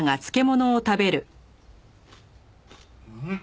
うん！